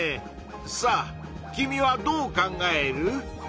さあ君はどう考える？